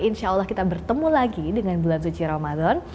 insya allah kita bertemu lagi dengan bulan suci ramadan